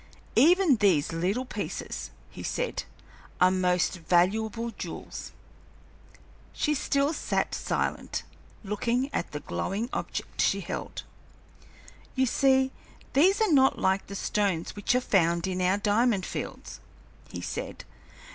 "Even these little pieces," he said, "are most valuable jewels." She still sat silent, looking at the glowing object she held. "You see, these are not like the stones which are found in our diamond fields," he said.